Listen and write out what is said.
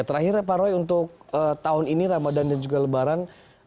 terakhir ya pak roy untuk tahun ini ramadan dan juga lebaran